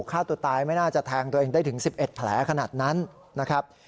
ฆ่าตัวตายไม่น่าจะแทงตัวเองได้ถึง๑๑แผลขนาดนั้นนะครับ